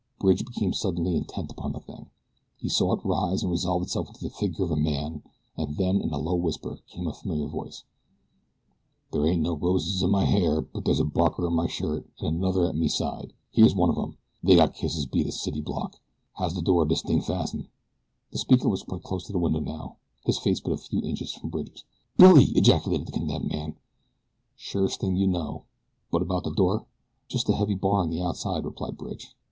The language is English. Bridge became suddenly intent upon the thing. He saw it rise and resolve itself into the figure of a man, and then, in a low whisper, came a familiar voice: "There ain't no roses in my hair, but there's a barker in my shirt, an' another at me side. Here's one of 'em. They got kisses beat a city block. How's the door o' this thing fastened?" The speaker was quite close to the window now, his face but a few inches from Bridge's. "Billy!" ejaculated the condemned man. "Surest thing you know; but about the door?" "Just a heavy bar on the outside," replied Bridge.